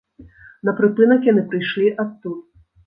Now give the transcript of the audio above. На прыпынак яны прыйшлі адтуль.